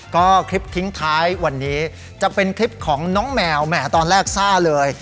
ก็คลิปทิ้งท้ายวันนี้จะเป็นคลิปของน้องแมวแหมตอนแรกซ่าเลย